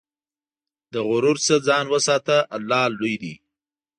له غرور نه ځان وساته، الله لوی دی.